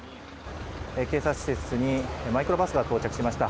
警察施設にマイクロバスが到着しました。